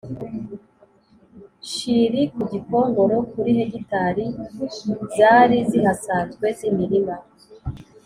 Nshiri ku Gikongoro Kuri hegitari zari zihasanzwe z imirima